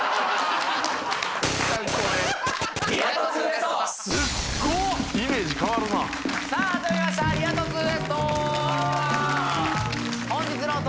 すっごイメージ変わるなさあ始まりましたリア突